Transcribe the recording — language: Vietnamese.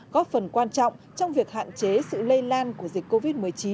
góp phần quan trọng trong việc hạn chế sự lây lan của dịch covid một mươi chín